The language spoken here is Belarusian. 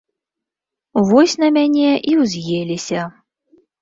Вось на мяне і ўз'еліся.